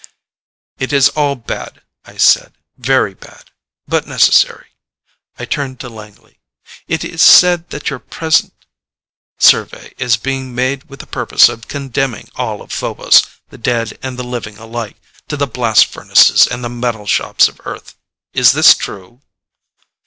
"It is all bad," I said, "very bad but necessary." I turned to Langley. "It is said that your present survey is being made with the purpose of condemning all of Phobos, the dead and the living alike, to the blast furnaces and the metal shops of Earth. Is this true?"